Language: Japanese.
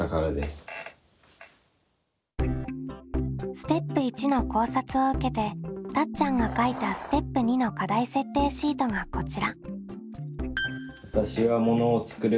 ステップ①の考察を受けてたっちゃんが書いたステップ②の課題設定シートがこちら。